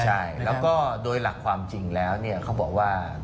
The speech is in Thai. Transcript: ใช่แล้วก็โดยหลักความจริงแล้วเนี่ยเขาบอกว่า